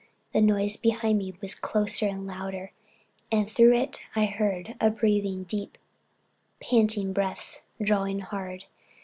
The noise behind me was closer and louder and through it I heard a breathing, deep, panting breaths, drawn hard.